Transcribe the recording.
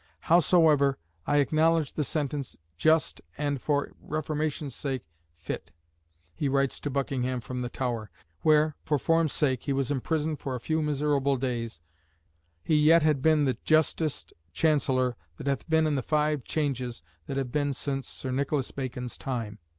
"Howsoever, I acknowledge the sentence just and for reformation's sake fit," he writes to Buckingham from the Tower, where, for form's sake, he was imprisoned for a few miserable days, he yet had been "the justest Chancellor that hath been in the five changes that have been since Sir Nicolas Bacon's time."